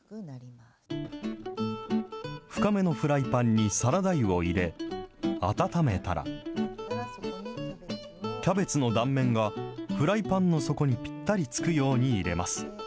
深めのフライパンにサラダ油を入れ、温めたら、キャベツの断面がフライパンの底にぴったりつくように入れます。